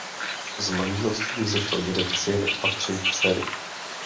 Z manželství vzešel jeden syn a tři dcery.